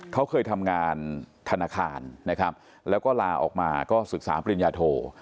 เขาเคยทำงานธนาคารนะครับแล้วก็ลาออกมาก็ศึกษาปริญญาโท